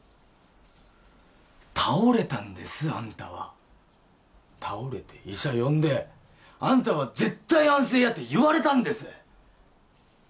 倒れたんですあんたは倒れて医者呼んであんたは絶対安静やて言われたんです！